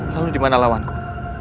lalu dimana lawanku